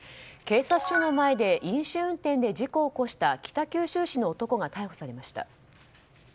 警察署の前で飲酒運転で事故を起こした北九州市の男が逮捕されました。